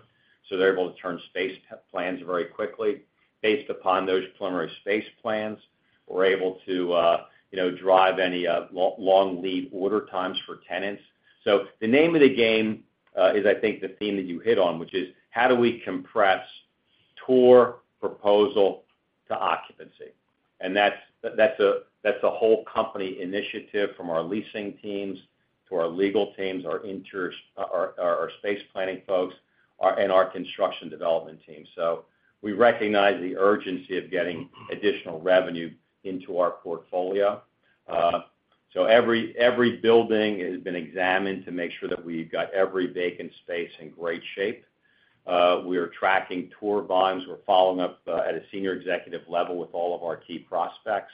So they're able to turn space plans very quickly. Based upon those preliminary space plans, we're able to, you know, drive any long lead order times for tenants. So the name of the game is, I think, the theme that you hit on, which is: How do we compress tour-to-proposal to occupancy? And that's a whole company initiative, from our leasing teams, to our legal teams, our interiors, our space planning folks, and our construction development team. So we recognize the urgency of getting additional revenue into our portfolio. So every building has been examined to make sure that we've got every vacant space in great shape. We are tracking tour volume. We're following up at a senior executive level with all of our key prospects.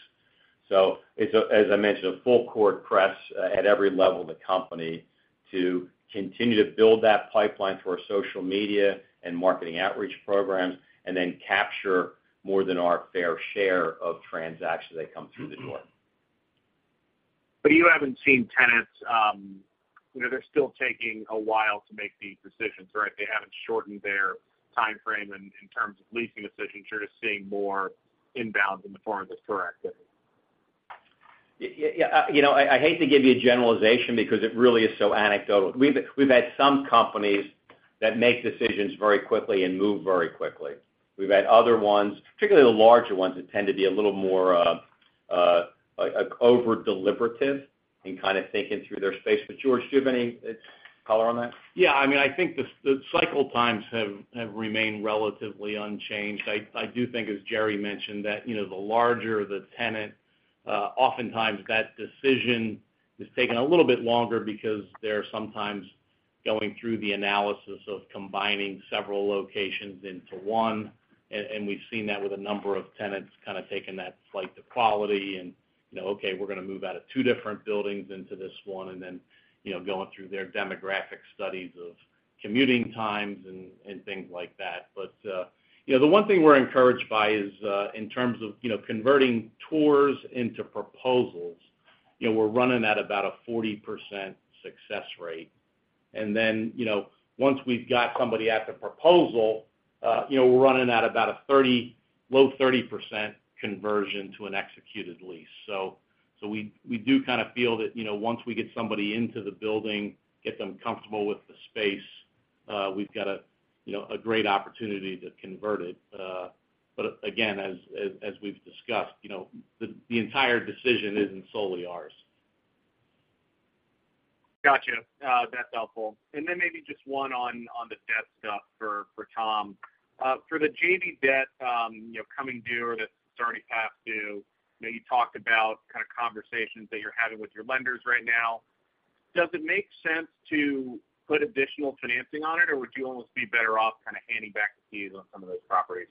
So, as I mentioned, a full court press at every level of the company to continue to build that pipeline through our social media and marketing outreach programs, and then capture more than our fair share of transactions that come through the door. But you haven't seen tenants, you know, they're still taking a while to make these decisions, right? They haven't shortened their timeframe in terms of leasing decisions. You're just seeing more inbounds in the forums, is correct? Yeah, yeah, you know, I hate to give you a generalization because it really is so anecdotal. We've had some companies that make decisions very quickly and move very quickly. We've had other ones, particularly the larger ones, that tend to be a little more like over-deliberative in kind of thinking through their space. But George, do you have any color on that? Yeah, I mean, I think the cycle times have remained relatively unchanged. I do think, as Jerry mentioned, that, you know, the larger the tenant, oftentimes, that decision is taking a little bit longer because they're sometimes going through the analysis of combining several locations into one. And we've seen that with a number of tenants, kind of taking that flight to quality and, you know, "Okay, we're gonna move out of two different buildings into this one." and then, you know, going through their demographic studies of commuting times and things like that. But, you know, the one thing we're encouraged by is, in terms of, you know, converting tours into proposals, you know, we're running at about a 40% success rate. And then, you know, once we've got somebody at the proposal, you know, we're running at about a 30%, low 30% conversion to an executed lease. So we do kind of feel that, you know, once we get somebody into the building, get them comfortable with the space, we've got a, you know, a great opportunity to convert it. But again, as we've discussed, you know, the entire decision isn't solely ours. Gotcha. That's helpful. And then maybe just one on the debt stuff for Tom. For the JV debt, you know, coming due or that it's already past due, you know, you talked about kind of conversations that you're having with your lenders right now. Does it make sense to put additional financing on it, or would you almost be better off kind of handing back the keys on some of those properties?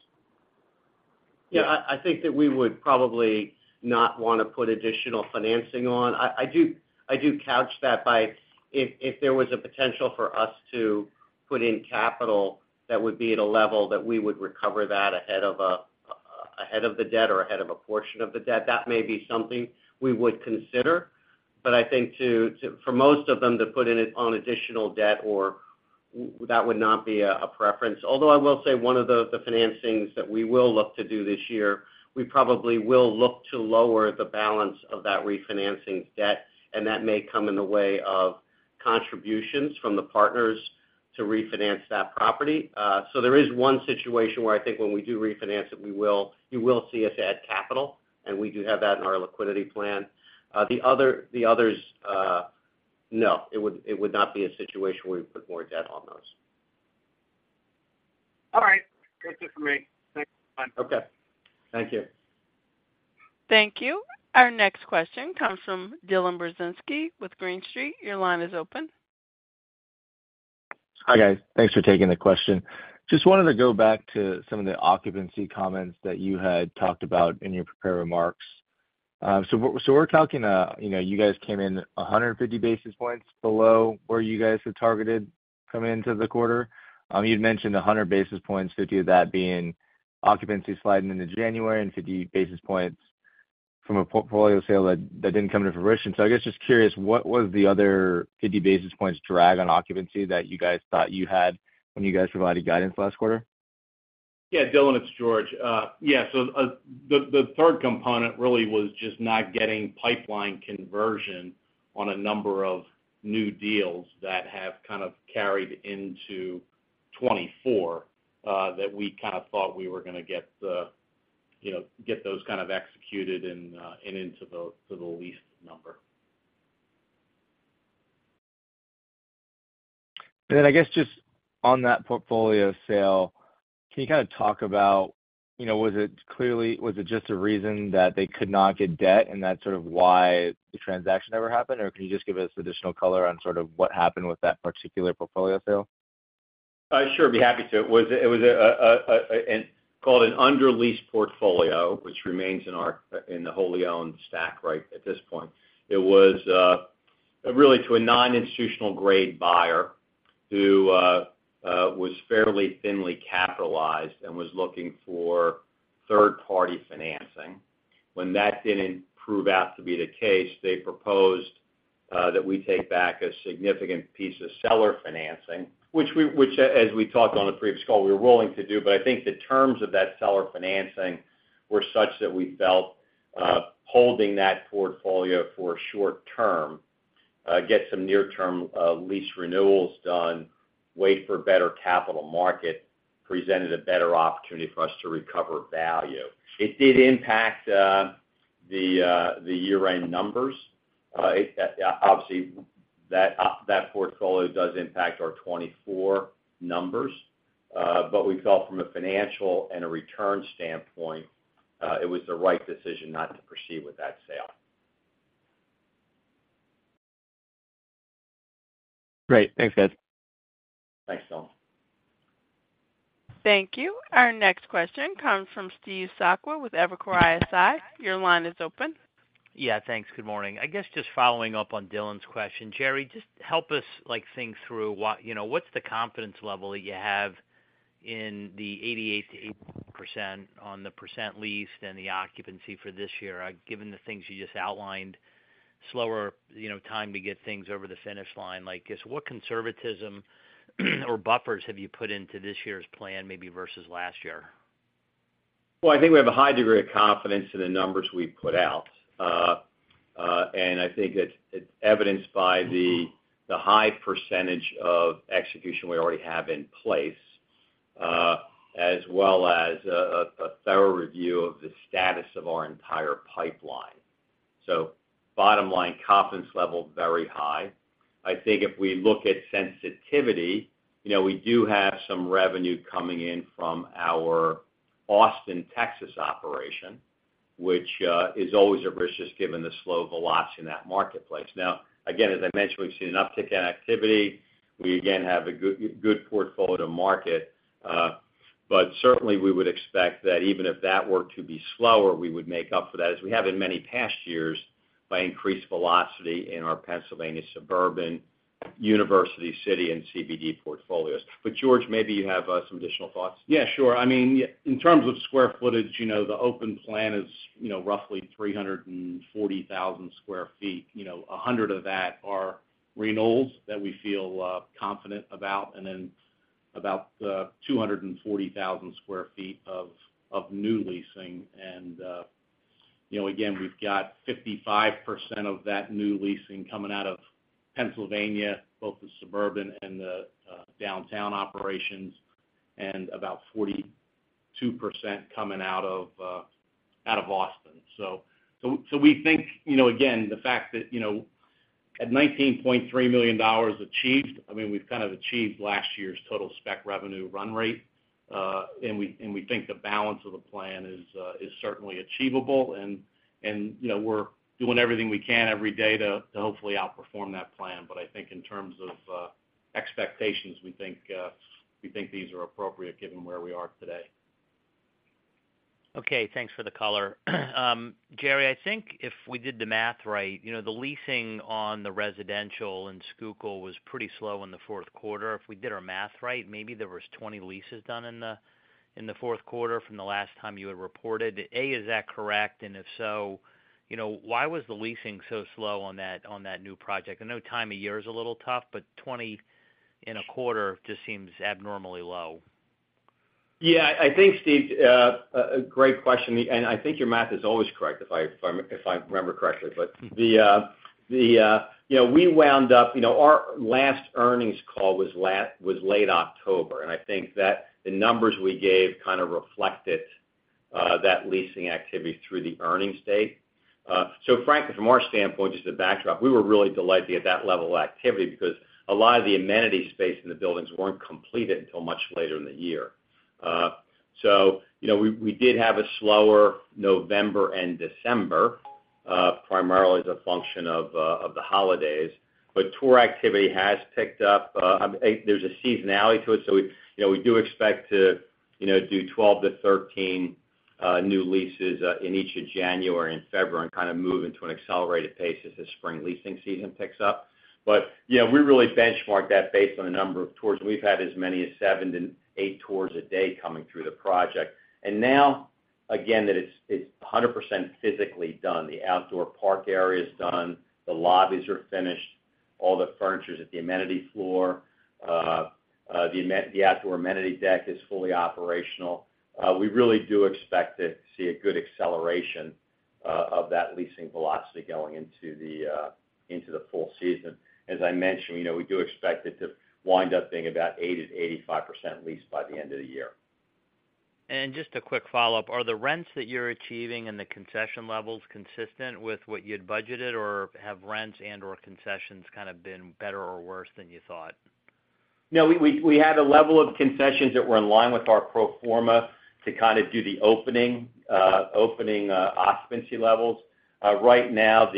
Yeah, I think that we would probably not want to put additional financing on. I do couch that by if there was a potential for us to put in capital that would be at a level that we would recover that ahead of ahead of the debt or ahead of a portion of the debt. That may be something we would consider, but I think for most of them, to put in it on additional debt or that would not be a preference. Although I will say one of the financings that we will look to do this year, we probably will look to lower the balance of that refinancing debt, and that may come in the way of contributions from the partners to refinance that property. So there is one situation where I think when we do refinance it, we will, you will see us add capital, and we do have that in our liquidity plan. The other, the others, no, it would, it would not be a situation where we put more debt on those. All right. That's it for me. Thanks, bye. Okay. Thank you. Thank you. Our next question comes from Dylan Burzinski with Green Street. Your line is open. Hi, guys. Thanks for taking the question. Just wanted to go back to some of the occupancy comments that you had talked about in your prepared remarks. So we're talking, you know, you guys came in 150 basis points below where you guys had targeted coming into the quarter. You'd mentioned 100 basis points, 50 of that being occupancy sliding into January, and 50 basis points from a portfolio sale that didn't come into fruition. So I guess just curious, what was the other 50 basis points drag on occupancy that you guys thought you had when you guys provided guidance last quarter? Yeah, Dylan, it's George. Yeah, so the third component really was just not getting pipeline conversion on a number of new deals that have kind of carried into 2024, that we kind of thought we were gonna get, you know, get those kind of executed and into the lease number. And then I guess just on that portfolio sale, can you kind of talk about, you know, was it clearly. Was it just a reason that they could not get debt, and that's sort of why the transaction never happened? Or can you just give us additional color on sort of what happened with that particular portfolio sale? Sure, be happy to. It was called an underleased portfolio, which remains in our wholly owned stack right at this point. It was really to a non-institutional-grade buyer who was fairly thinly capitalized and was looking for third-party financing. When that didn't prove out to be the case, they proposed that we take back a significant piece of seller financing, which we, as we talked on the previous call, we were willing to do. But I think the terms of that seller financing were such that we felt holding that portfolio for short term, get some near-term lease renewals done, wait for better capital market, presented a better opportunity for us to recover value. It did impact the year-end numbers. Obviously, that portfolio does impact our 2024 numbers, but we felt from a financial and a return standpoint, it was the right decision not to proceed with that sale. Great. Thanks, guys. Thanks, Dylan. Thank you. Our next question comes from Steve Sakwa with Evercore ISI. Your line is open. Yeah, thanks. Good morning. I guess just following up on Dylan's question, Jerry, just help us, like, think through what, you know, what's the confidence level that you have in the 88% on the percent leased and the occupancy for this year? Given the things you just outlined, slower, you know, time to get things over the finish line, like, just what conservatism or buffers have you put into this year's plan, maybe versus last year? Well, I think we have a high degree of confidence in the numbers we've put out. And I think it's evidenced by the high percentage of execution we already have in place, as well as a thorough review of the status of our entire pipeline. So bottom line, confidence level, very high. I think if we look at sensitivity, you know, we do have some revenue coming in from our Austin, Texas, operation, which is always a risk, just given the slow velocity in that marketplace. Now, again, as I mentioned, we've seen an uptick in activity. We again have a good, good portfolio to market, but certainly, we would expect that even if that were to be slower, we would make up for that, as we have in many past years, by increased velocity in our Pennsylvania suburban, University City, and CBD portfolios. But George, maybe you have some additional thoughts. Yeah, sure. I mean, in terms of square footage, you know, the open plan is, you know, roughly 340,000 sq ft. You know, 100 of that are renewals that we feel confident about, and then about 240,000 sq ft of new leasing. And, you know, again, we've got 55% of that new leasing coming out of Pennsylvania, both the suburban and the downtown operations, and about 42% coming out of Austin. So we think, you know, again, the fact that, you know, at $19.3 million achieved, I mean, we've kind of achieved last year's total spec revenue run rate, and we think the balance of the plan is certainly achievable. You know, we're doing everything we can every day to hopefully outperform that plan. But I think in terms of expectations, we think these are appropriate given where we are today. Okay, thanks for the color. Jerry, I think if we did the math right, you know, the leasing on the residential in Schuylkill was pretty slow in the fourth quarter. If we did our math right, maybe there was 20 leases done in the, in the fourth quarter from the last time you had reported. Is that correct? And if so, you know, why was the leasing so slow on that, on that new project? I know time of year is a little tough, but 20 in a quarter just seems abnormally low. Yeah, I think, Steve, a great question, and I think your math is always correct, If I remember correctly. But you know, we wound up, you know, our last earnings call was late October, and I think that the numbers we gave kind of reflected that leasing activity through the earnings date. So frankly, from our standpoint, just to backdrop, we were really delighted to get that level of activity because a lot of the amenity space in the buildings weren't completed until much later in the year. So, you know, we did have a slower November and December, primarily as a function of the holidays, but tour activity has picked up. There's a seasonality to it, so we, you know, we do expect to, you know, do 12-13 new leases in each of January and February and kind of move into an accelerated pace as the spring leasing season picks up. But, you know, we really benchmark that based on the number of tours. We've had as many as 7-8 tours a day coming through the project. And now, again, that it's 100% physically done. The outdoor park area is done, the lobbies are finished, all the furniture is at the amenity floor, the outdoor amenity deck is fully operational. We really do expect to see a good acceleration of that leasing velocity going into the full season. As I mentioned, you know, we do expect it to wind up being about 80%-85% leased by the end of the year. Just a quick follow-up. Are the rents that you're achieving and the concession levels consistent with what you'd budgeted, or have rents and/or concessions kind of been better or worse than you thought? No, we had a level of concessions that were in line with our pro forma to kind of do the opening occupancy levels. Right now,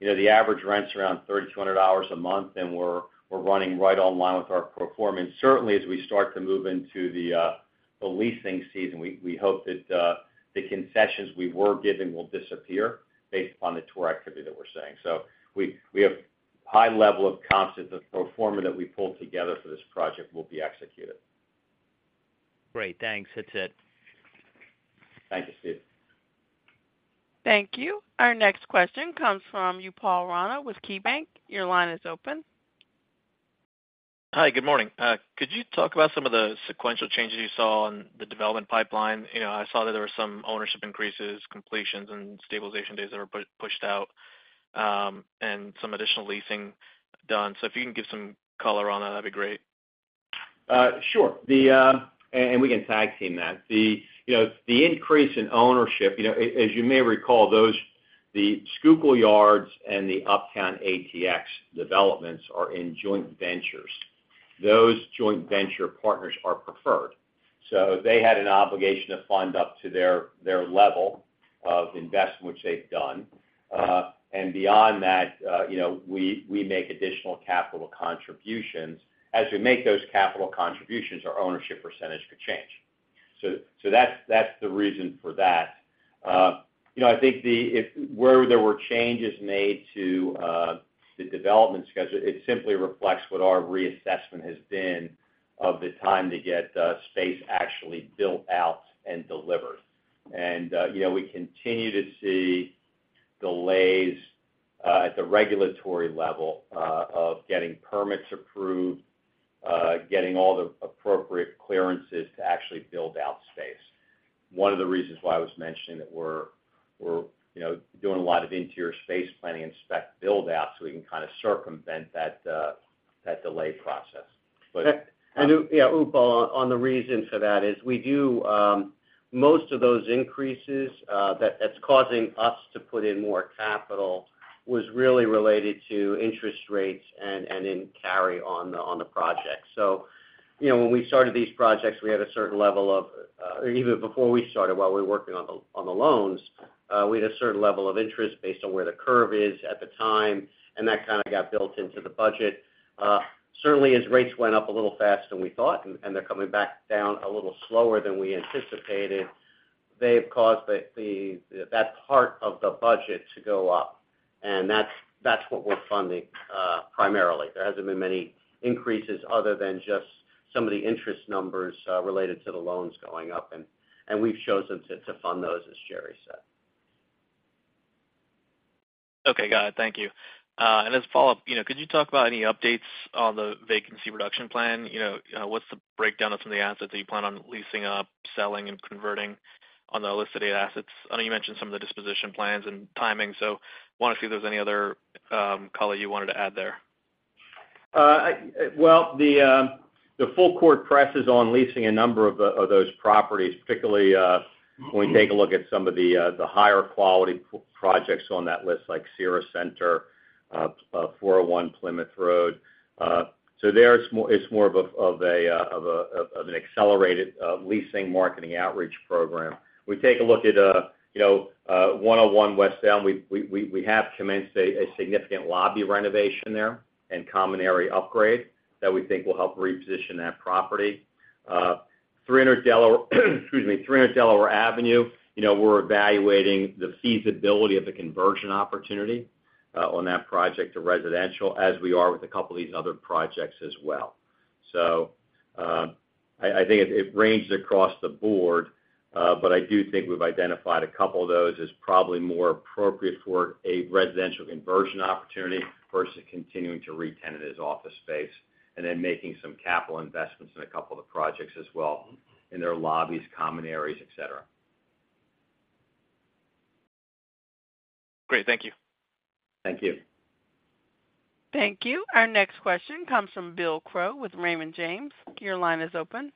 you know, the average rent's around $3,200 a month, and we're running right on line with our pro forma. And certainly, as we start to move into the leasing season, we hope that the concessions we were giving will disappear based upon the tour activity that we're seeing. So we have high level of confidence the pro forma that we pulled together for this project will be executed. Great, thanks. That's it. Thank you, Steve. Thank you. Our next question comes from Upal Rana with KeyBanc. Your line is open. Hi, good morning. Could you talk about some of the sequential changes you saw on the development pipeline? You know, I saw that there were some ownership increases, completions, and stabilization dates that were pushed out, and some additional leasing done. So if you can give some color on that, that'd be great. Sure. We can tag team that. You know, the increase in ownership, you know, as you may recall, those, the Schuylkill Yards and the Uptown ATX developments are in joint ventures. Those joint venture partners are preferred, so they had an obligation to fund up to their level of investment, which they've done. And beyond that, you know, we make additional capital contributions. As we make those capital contributions, our ownership percentage could change. So that's the reason for that. You know, I think where there were changes made to the development schedule, it simply reflects what our reassessment has been of the time to get space actually built out and delivered. You know, we continue to see delays at the regulatory level of getting permits approved, getting all the appropriate clearances to actually build out space. One of the reasons why I was mentioning that we're, you know, doing a lot of interior space planning and spec build-out, so we can kind of circumvent that that delay process. And, yeah, Upal, on the reason for that is we do most of those increases that that's causing us to put in more capital was really related to interest rates and in carry on the on the project. So, you know, when we started these projects, we had a certain level of even before we started, while we were working on the on the loans we had a certain level of interest based on where the curve is at the time, and that kind of got built into the budget. Certainly as rates went up a little faster than we thought, and they're coming back down a little slower than we anticipated, they've caused that part of the budget to go up, and that's what we're funding primarily. There hasn't been many increases other than just some of the interest numbers related to the loans going up, and we've chosen to fund those, as Jerry said. Okay, got it. Thank you. And as a follow-up, you know, could you talk about any updates on the vacancy reduction plan? You know, what's the breakdown of some of the assets that you plan on leasing up, selling and converting on the listed assets? I know you mentioned some of the disposition plans and timing, so wanted to see if there's any other, color you wanted to add there. Well, the full court press is on leasing a number of those properties, particularly when we take a look at some of the higher quality projects on that list, like Cira Center, 401 Plymouth Road. So there it's more of an accelerated leasing marketing outreach program. We take a look at, you know, 101 West Elm, we have commenced a significant lobby renovation there and common area upgrade that we think will help reposition that property. 300 Delaware Avenue, you know, we're evaluating the feasibility of the conversion opportunity on that project to residential, as we are with a couple of these other projects as well. So, I think it ranges across the board, but I do think we've identified a couple of those as probably more appropriate for a residential conversion opportunity versus continuing to re-tenant it as office space, and then making some capital investments in a couple of the projects as well, in their lobbies, common areas, et cetera. Great. Thank you. Thank you. Thank you. Our next question comes from Bill Crow with Raymond James. Your line is open.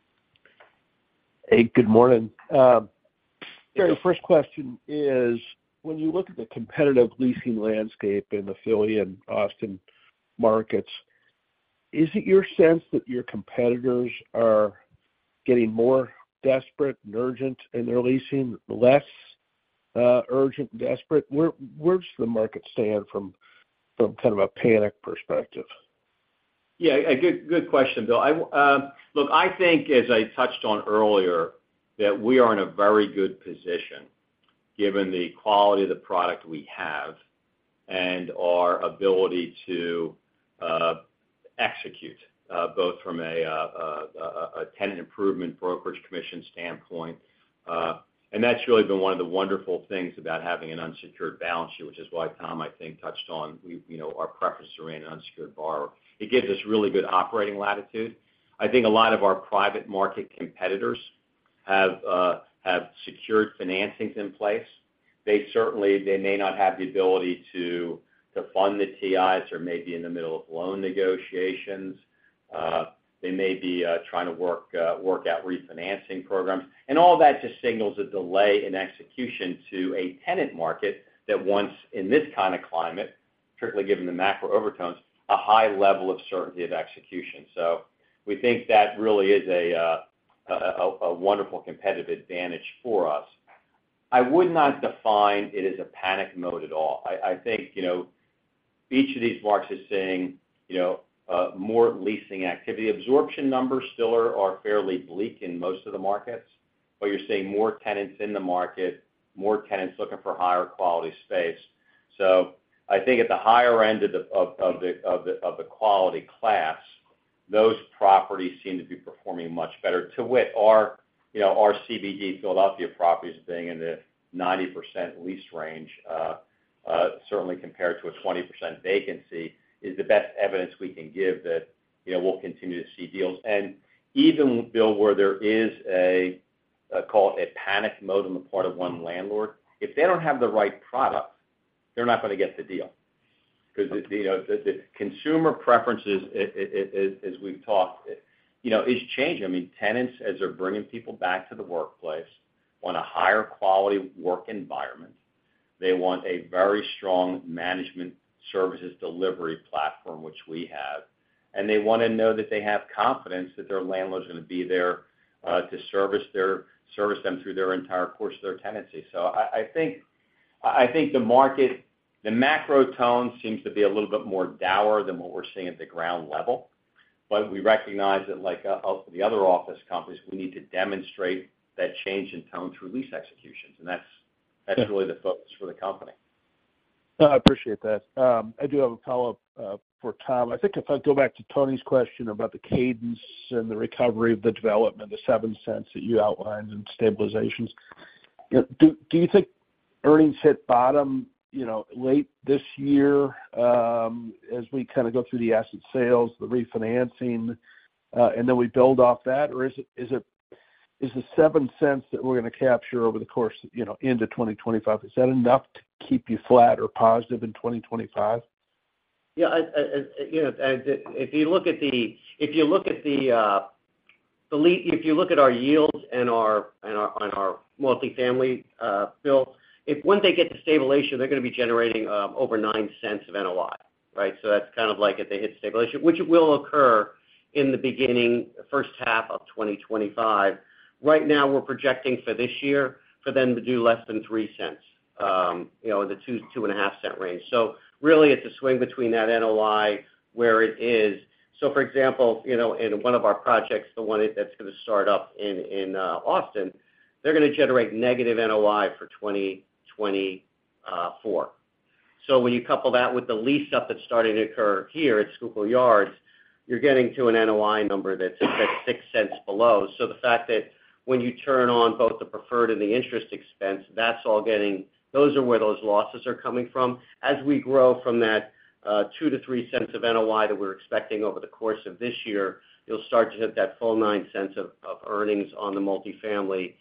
Hey, good morning. Jerry, first question is, when you look at the competitive leasing landscape in the Philly and Austin markets, is it your sense that your competitors are getting more desperate and urgent, and they're leasing less urgent and desperate? Where's the market stand from kind of a panic perspective? Yeah, a good, good question, Bill. I look, I think as I touched on earlier, that we are in a very good position, given the quality of the product we have and our ability to execute, both from a tenant improvement brokerage commission standpoint. And that's really been one of the wonderful things about having an unsecured balance sheet, which is why Tom, I think, touched on, we, you know, our preference to remain an unsecured borrower. It gives us really good operating latitude. I think a lot of our private market competitors have secured financings in place. They certainly, they may not have the ability to fund the TIs, or may be in the middle of loan negotiations. They may be trying to work out refinancing programs. And all that just signals a delay in execution to a tenant market that wants, in this kind of climate, particularly given the macro overtones, a high level of certainty of execution. So we think that really is a wonderful competitive advantage for us. I would not define it as a panic mode at all. I think, you know, more leasing activity. Absorption numbers still are fairly bleak in most of the markets, but you're seeing more tenants in the market, more tenants looking for higher quality space. So I think at the higher end of the quality class, those properties seem to be performing much better, to wit, our, you know, our CBD Philadelphia property is staying in the 90% lease range, certainly compared to a 20% vacancy, is the best evidence we can give that, you know, we'll continue to see deals. And even, Bill, where there is a call it a panic mode on the part of one landlord, if they don't have the right product, they're not gonna get the deal. Because the, you know, the consumer preferences, as we've talked, you know, is changing. I mean, tenants, as they're bringing people back to the workplace, want a higher quality work environment. They want a very strong management services delivery platform, which we have, and they want to know that they have confidence that their landlord is going to be there, to service them through their entire course of their tenancy. So I think the market, the macro tone seems to be a little bit more dour than what we're seeing at the ground level. But we recognize that, like, the other office companies, we need to demonstrate that change in tone through lease execution. Yeah. And that's really the focus for the company. I appreciate that. I do have a follow-up for Tom. I think if I go back to Tony's question about the cadence and the recovery of the development, the $0.07 that you outlined in stabilizations. Do you think earnings hit bottom, you know, late this year, as we kind of go through the asset sales, the refinancing, and then we build off that? Or is the $0.07 that we're gonna capture over the course, you know, into 2025, enough to keep you flat or positive in 2025? Yeah, you know, if you look at our yields on our multifamily, Bill, if once they get to stabilization, they're gonna be generating over $0.09 of NOI, right? So that's kind of like if they hit stabilization, which will occur in the beginning, the first half of 2025. Right now, we're projecting for this year, for them to do less than $0.03, you know, the $0.02-$0.025 range. So really, it's a swing between that NOI, where it is. So for example, you know, in one of our projects, the one that's gonna start up in Austin, they're gonna generate negative NOI for 2024. So when you couple that with the lease-up that's starting to occur here at Schuylkill Yards, you're getting to an NOI number that's at $0.06 below. So the fact that when you turn on both the preferred and the interest expense, that's all getting, those are where those losses are coming from. As we grow from that, $0.02-$0.03 of NOI that we're expecting over the course of this year, you'll start to hit that full $0.09 of, of earnings on the multifamily,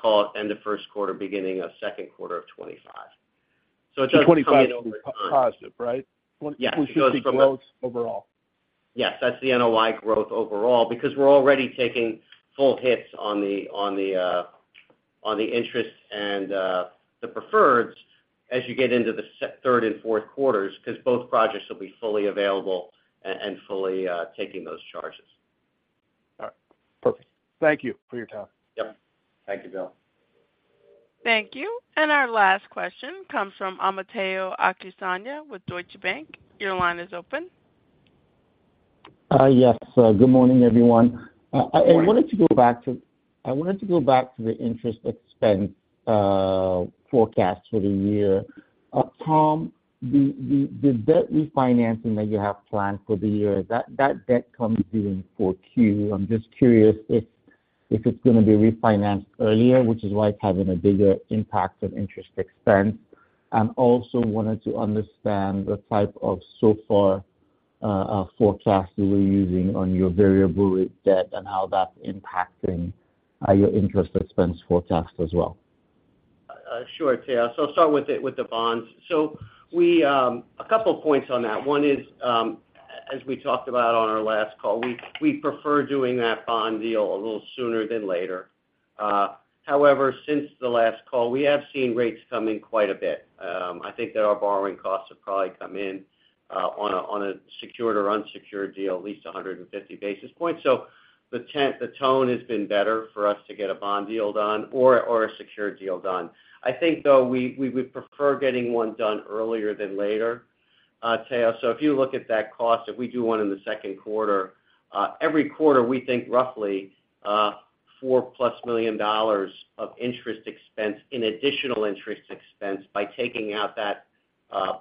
call it, end of first quarter, beginning of second quarter of 2025. 25+, right? Yes. We see the growth overall. Yes, that's the NOI growth overall, because we're already taking full hits on the interest and the preferred as you get into the third and fourth quarters, because both projects will be fully available and fully taking those charges. All right. Perfect. Thank you for your time. Yep. Thank you, Bill. Thank you. And our last question comes from Omotayo Okusanya with Deutsche Bank. Your line is open. Yes, good morning, everyone. I wanted to go back to the interest expense forecast for the year. Tom, the debt refinancing that you have planned for the year, that debt comes due in Q4. I'm just curious if it's gonna be refinanced earlier, which is why it's having a bigger impact of interest expense? I'm also wanted to understand the type of SOFR forecast you were using on your variable rate debt and how that's impacting your interest expense forecast as well? Sure, Tayo. So I'll start with the bonds. So a couple of points on that. One is, as we talked about on our last call, we prefer doing that bond deal a little sooner than later. However, since the last call, we have seen rates come in quite a bit. I think that our borrowing costs have probably come in on a secured or unsecured deal, at least 150 basis points. So the tone has been better for us to get a bond deal done or a secured deal done. I think, though, we would prefer getting one done earlier than later, Tayo. So if you look at that cost, if we do one in the second quarter, every quarter, we think roughly $4+ million of interest expense, in additional interest expense by taking out that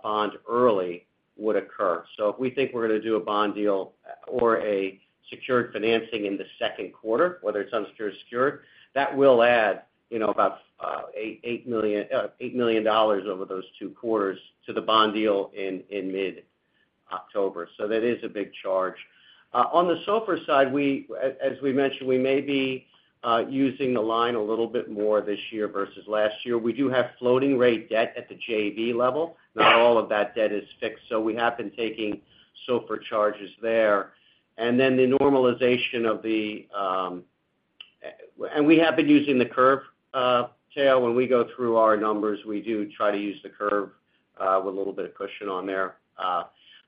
bond early would occur. So if we think we're gonna do a bond deal or a secured financing in the second quarter, whether it's unsecured, secured, that will add, you know, about $8 million over those two quarters to the bond deal in mid-October. So that is a big charge. On the SOFR side, as we mentioned, we may be using the line a little bit more this year versus last year. We do have floating rate debt at the JV level. Not all of that debt is fixed, so we have been taking SOFR charges there. Then the normalization of the A and we have been using the curve, Tayo. When we go through our numbers, we do try to use the curve with a little bit of cushion on there.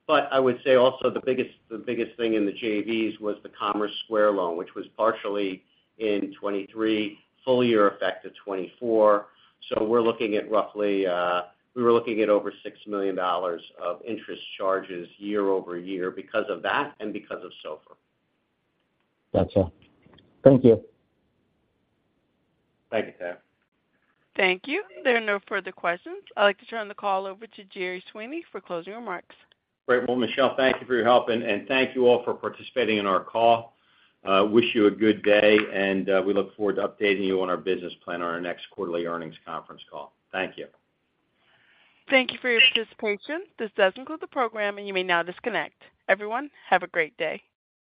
But I would say also, the biggest, the biggest thing in the JVs was the Commerce Square loan, which was partially in 2023, full year effect of 2024. So we're looking at roughly, we were looking at over $6 million of interest charges year-over-year because of that and because of SOFR. Gotcha. Thank you. Thank you, Tayo Thank you. There are no further questions. I'd like to turn the call over to Jerry Sweeney for closing remarks. Great. Well, Michelle, thank you for your help, and thank you all for participating in our call. Wish you a good day, and we look forward to updating you on our business plan on our next quarterly earnings conference call. Thank you. Thank you for your participation. This does conclude the program, and you may now disconnect. Everyone, have a great day.